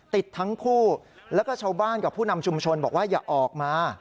ติดทั้งคู่แล้วก็ชาวบ้านกับผู้นำชุมชนบอกว่าอย่าออกมา